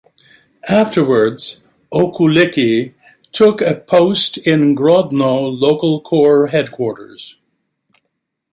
Afterwards Okulicki took a post in Grodno local corps headquarters.